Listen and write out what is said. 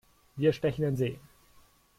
Wir stechen in See!